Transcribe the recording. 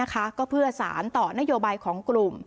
ก็เพื่อสารต่อนโยบายของกลุ่ม